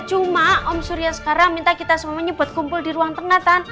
cuma om surya sekarang minta kita semuanya buat kumpul di ruang tengah kan